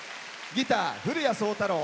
ギター、古屋創太郎。